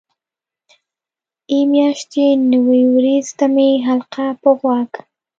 ای میاشتې نوې وریځ ته مې حلقه په غوږ.